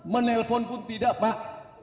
menelpon pun tidak pak